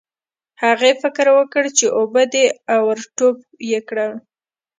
هغې فکر وکړ چې اوبه دي او ور ټوپ یې کړل.